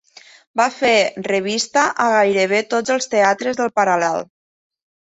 Va fer revista a gairebé tots els teatres del Paral·lel.